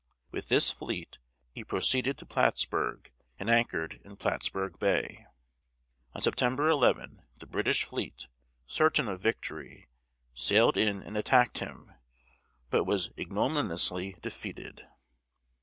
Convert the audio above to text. With this fleet, he proceeded to Plattsburg and anchored in Plattsburg Bay. On September 11 the British fleet, certain of victory, sailed in and attacked him, but was ignominiously defeated.